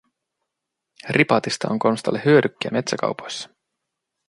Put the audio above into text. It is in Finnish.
Ripatista on Konstalle hyödykkiä metsäkaupoissa.